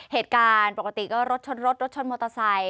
เหตุการณ์ปกติก็รถชนรถรถชนมอเตอร์ไซค